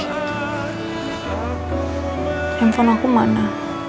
handphone aku mana